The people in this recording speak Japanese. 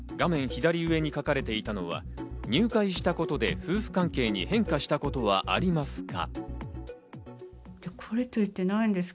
左上に書かれていたのは、「入会したことで夫婦関係に変化したことはありますか？」